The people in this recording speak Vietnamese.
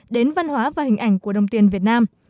đến văn hóa và hình ảnh của đồng tiền việt nam